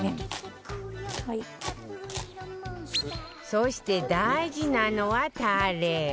そして大事なのはたれ